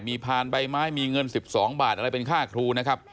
มีพานใบไม้มีเงิน๑๒บาทอะไรเป็นค่าครูนะครับ